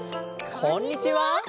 こんにちは。